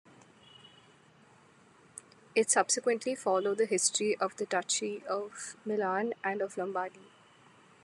It subsequently followed the history of the Duchy of Milan and of Lombardy.